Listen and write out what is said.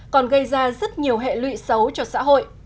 còn gây ra rất nhiều hệ lụy xấu cho xã hội